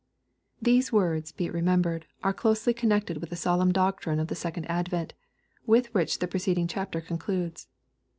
These words, be it remembered, are closely con nected with the solemn doctrine of the second advent, with which the preceding chaptef^concludes.